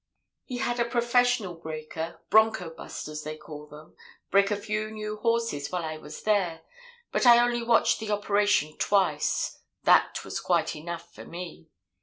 "He had a professional breaker 'bronco busters,' they call them break a few new horses while I was there, but I only watched the operation twice; that was quite enough for me.